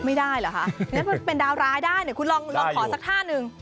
ไม่ได้เหรอคะอย่างนั้นเป็นดาวร้ายได้เนี่ยคุณลองขอสักท่าหนึ่ง